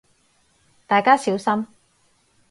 大家小心